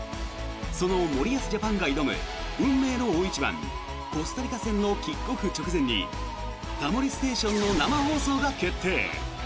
その森保ジャパンが挑む運命の大一番コスタリカ戦のキックオフ直前に「タモリステーション」の生放送が決定。